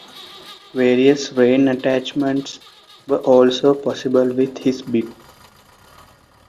Various rein attachments were also possible with this bit.